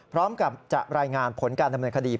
พร้อมกับจะรายงานผลการดำเนินคดี